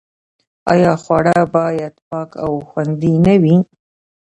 آیا خواړه باید پاک او خوندي نه وي؟